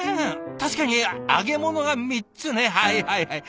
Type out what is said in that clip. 確かに揚げ物が３つねはいはいはい。